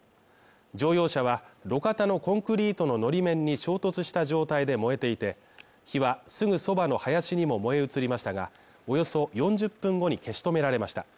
乗用車は路肩のコンクリートののり面に衝突した状態で燃えていて、火はすぐそばの林にも燃え移りましたが、およそ４０分後に消し止められました。